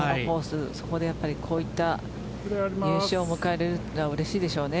そこでこういった優勝を迎えれるのはうれしいでしょうね。